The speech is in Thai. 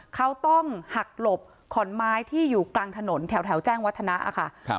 เขาต้องหักหลบขอนไม้ที่อยู่กลางถนนแถวแจ้งวัฒนะค่ะ